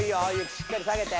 しっかり下げて。